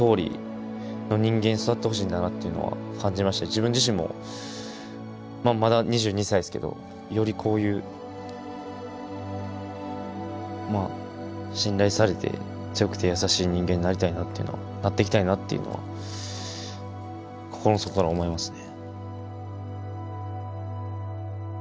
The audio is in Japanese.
自分自身もまだ２２歳ですけどよりこういうまあ信頼されて強くて優しい人間になっていきたいなっていうのは心の底から思いますね。